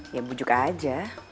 ya bujuk aja